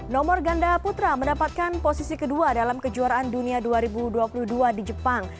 nomor ganda putra mendapatkan posisi kedua dalam kejuaraan dunia dua ribu dua puluh dua di jepang